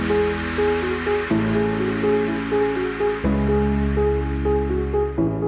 iya karena ada satu perempuan yang mendadak ini